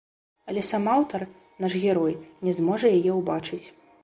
Але сам аўтар, наш герой, не зможа яе ўбачыць.